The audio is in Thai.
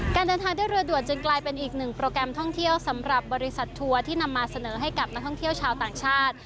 การเดินทางด้วยเรือด่วนจึงกลายเป็นอีกหนึ่งโปรแกรมท่องเที่ยวสำหรับบริษัททัวร์ที่นำมาเสนอให้กับนักท่องเที่ยวชาวต่างชาติ